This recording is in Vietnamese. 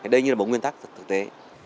đây như là một nguyên tắc thực tế